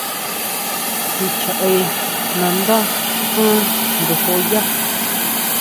Tʼín chjaʼé nandá jan ndojo yá.